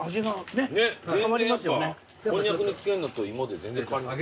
ねっ全然やっぱこんにゃくに付けるのと芋で全然変わります。